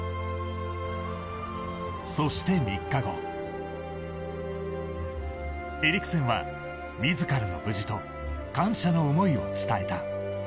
そして３日後エリクセンは自らの無事と感謝の思いを伝えた。